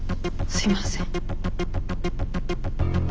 すいません。